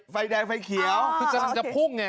ไฟแดงไฟเขียวคือกำลังจะพุ่งไง